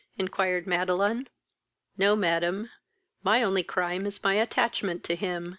inquired Madeline. "No, madam; my only crime is my attachment to him.